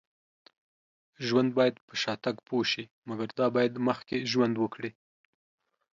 ژوند باید په شاتګ پوه شي. مګر دا باید مخکې ژوند وکړي